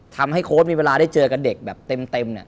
โค้ดมีเวลาได้เจอกับเด็กแบบเต็ม